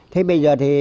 thế bây giờ thì